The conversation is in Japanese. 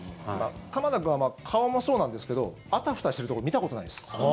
鎌田君は顔もそうなんですけどあたふたしてるところを見たことないです。